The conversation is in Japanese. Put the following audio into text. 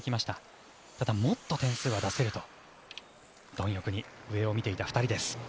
ただ、もっと点数は出せると貪欲に上を見ていた２人です。